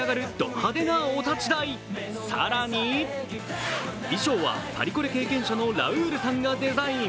派手なお立ち台、更に衣装はパリコレ経験者のラウールさんがデザイン。